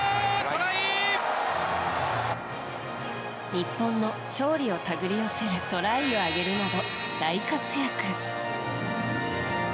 日本の勝利を手繰り寄せるトライを挙げるなど大活躍。